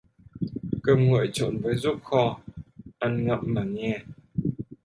Cơm nguội trộn với ruốc kho, ăn ngậm mà nghe